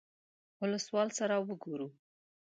اولسوال سره وګورو.